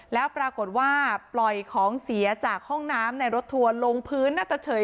แล้วปรากฏว่าปล่อยของเสียจากห้องน้ำในรถทัวร์ลงพื้นน่าจะเฉย